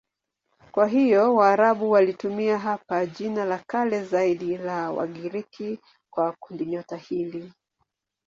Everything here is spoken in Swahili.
Kwa hiyo Waarabu walitumia hapa jina la kale zaidi la Wagiriki kwa kundinyota hili.